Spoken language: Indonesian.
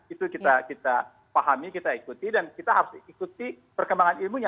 itu kita pahami kita ikuti dan kita harus ikuti perkembangan ilmunya